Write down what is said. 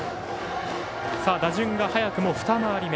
打順が早くも二回り目。